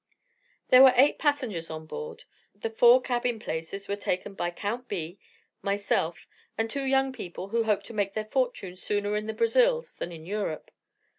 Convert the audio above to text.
There were eight passengers on board. The four cabin places were taken by Count B , myself, and two young people who hoped to make their fortune sooner in the Brazils than in Europe.